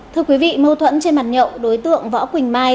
thưa quý vị mâu thuẫn trên bàn nhậu đối tượng võ quỳnh mai